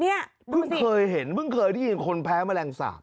เพิ่งเคยเห็นเพิ่งเคยได้ยินคนแพ้แมลงสาป